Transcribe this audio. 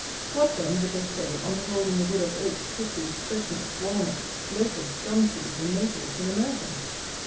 What, then, would they say, on beholding a wood of Oaks, Hickories, Chestnuts, Walnuts, Locusts, Gum trees, and Maples in America!